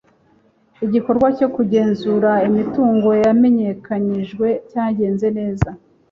igikorwa cyo kugenzura imitungo yamenyekanishijwe cyagenze neza